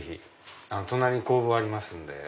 隣に工房ありますんで。